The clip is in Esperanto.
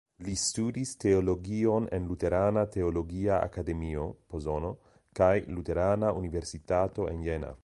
Li studis teologion en Luterana Teologia Akademio (Pozono) kaj luterana universitato en Jena.